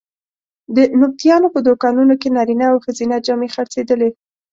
د نبطیانو په دوکانونو کې نارینه او ښځینه جامې خرڅېدلې.